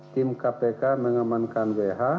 tim kpk mengemankan bh